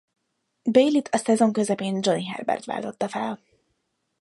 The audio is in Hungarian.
Baileyt a szezon közepén Johnny Herbert váltotta fel.